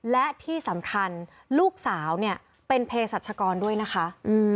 และที่สำคัญลูกสาวเนี่ยเป็นเพศรัชกรด้วยนะคะ